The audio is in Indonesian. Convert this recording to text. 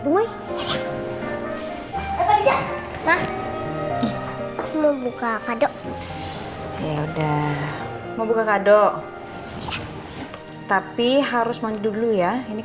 mau buka kado ya udah mau buka kado tapi harus mandi dulu ya ini